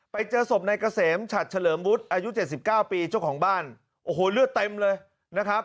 ไปเจอศพนายเกษมฉัดเฉลิมวุฒิอายุ๗๙ปีเจ้าของบ้านโอ้โหเลือดเต็มเลยนะครับ